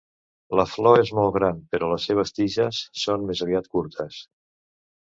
La flor és molt gran, però les seves tiges són més aviat curtes.